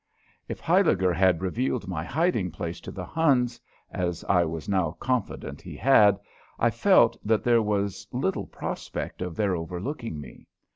If Huyliger had revealed my hiding place to the Huns, as I was now confident he had, I felt that there was little prospect of their overlooking me.